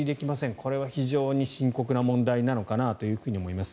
これは非常に深刻な問題なのかなと思います。